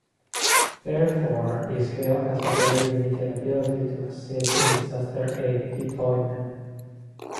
Therefore, the scale has a very limited ability to assist in disaster-aid deployment.